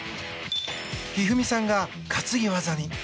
一二三さんが担ぎ技に。